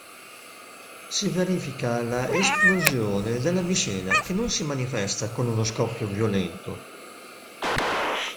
Si verifica la esplosione della miscela che non si manifesta con uno scoppio violento.